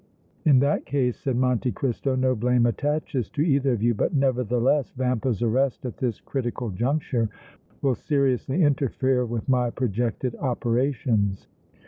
"In that case," said Monte Cristo, "no blame attaches to either of you, but, nevertheless, Vampa's arrest at this critical juncture will seriously interfere with my projected operations."